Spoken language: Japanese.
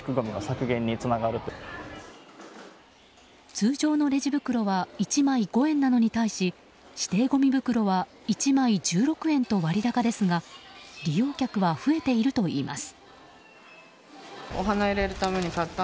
通常のレジ袋は１枚５円なのに対し指定ごみ袋は１枚１６円と割高ですが利用客は増えているといいます。